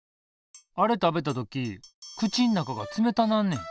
あれ食べた時口ん中が冷たなんねん。